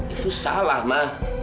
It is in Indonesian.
itu salah ma